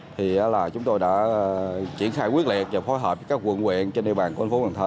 thì chúng tôi đã triển khai quyết liệt và phối hợp với các quận huyện trên địa bàn quân phố quảng thơ